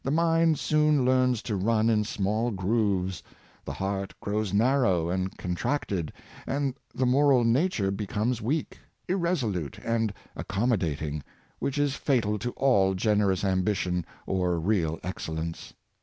mind soon learns to run in small grooves, the heart grows narrow and contracted, and the moral nature be comes weak, irresolute and accommodating, which is fatal to all generous ambition or real excellence.